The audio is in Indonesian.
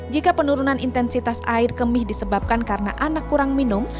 jika penurunan intensitas air kemih disebabkan karena anak kurang minum